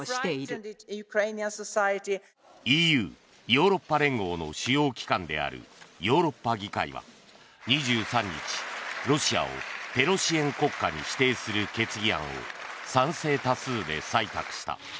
ＥＵ・ヨーロッパ連合の主要機関であるヨーロッパ議会は２３日、ロシアをテロ支援国家に指定する決議案を賛成多数で採択した。